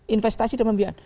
investasi dan pembiayaan